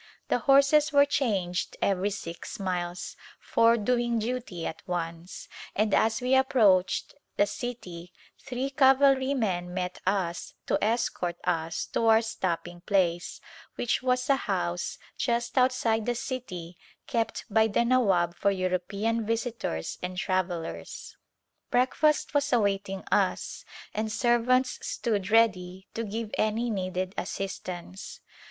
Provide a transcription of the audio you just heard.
The horses were changed every six miles, four doing duty at once, and as we approached the city three cavalrymen met us to escort us to our stop ping place which was a house just outside the city kept by the Nawab for European visitors and travel A Visit to the Hills lers. Breakfast was awaitins; us and servants stood ready to give any needed assistance.